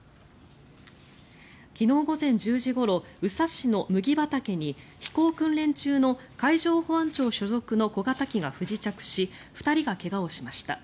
昨日午前１０時ごろ宇佐市の麦畑に飛行訓練中の海上保安庁所属の小型機が不時着し２人が怪我をしました。